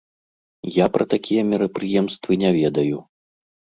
Я пра такія мерапрыемствы не ведаю.